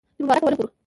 چې مبارکه ونه وګورو.